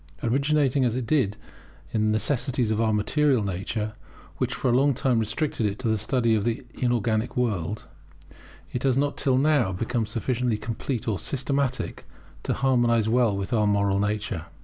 Originating as it did in the necessities of our material nature, which for a long time restricted it to the study of the inorganic world, it has not till now become sufficiently complete or systematic to harmonize well with our moral nature.